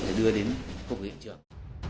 để đưa đến khu vực hiện trường